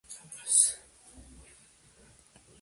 Es originaria de Eurasia y Macaronesia.